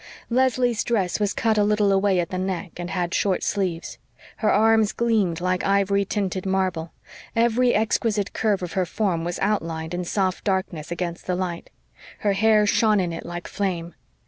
Leslie's dress was cut a little away at the neck and had short sleeves. Her arms gleamed like ivory tinted marble. Every exquisite curve of her form was outlined in soft darkness against the light. Her hair shone in it like flame.